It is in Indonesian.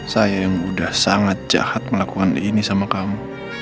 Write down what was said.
saya yang sudah sangat jahat melakukan ini sama kamu